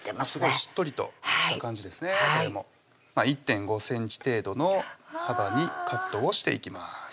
しっとりとした感じですね１．５ｃｍ程度の幅にカットをしていきます